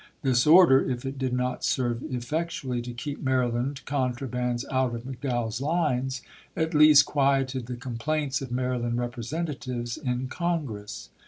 This order, if it "376'.' ^' did not serve effectually to keep Maryland con trabands out of McDowell's lines, at least quieted the complaints of Maryland Representatives in Congress.